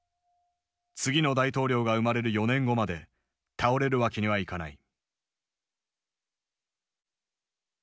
次の大統領が生まれる４年後まで倒れるわけにはいかない。